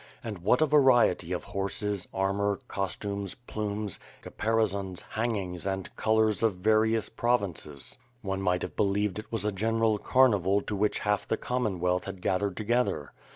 And what a variety of horses, armor, costumes, plumes, caparisons, hangings, and colors of various provinces! One might have believed it was a general carnival to which half the Commonwealth had gath ered together.